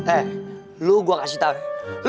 eh lo gua kasih tau